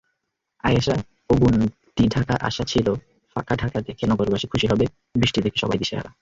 আয়েশা অগুণতিঢাকাআশা ছিল ফাঁকা ঢাকা দেখে নগরবাসী খুশি হবে, বৃষ্টি দেখে সবাই দিশেহারা।